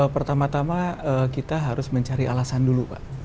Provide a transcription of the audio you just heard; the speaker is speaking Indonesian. pertama tama kita harus mencari alasan dulu pak